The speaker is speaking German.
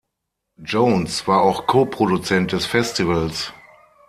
Jones war auch Co-Produzent des Festivals.